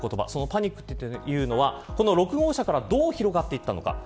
そのパニックというのは６号車からどう広がっていったのか。